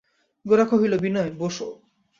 গোরা কহিল, বিনয়, বোসো।